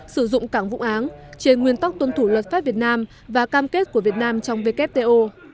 sử dụng cảng vũng áng trên nguyên tóc tuân thủ luật pháp việt nam và cam kết của việt nam trong wto